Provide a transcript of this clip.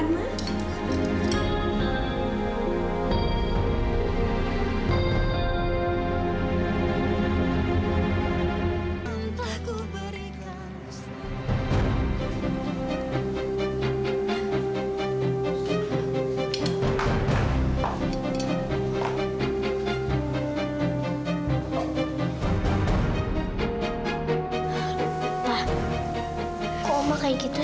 terima kasih ya sita